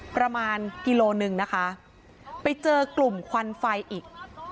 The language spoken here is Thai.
ประมาณกิโลหนึ่งนะคะไปเจอกลุ่มควันไฟอีก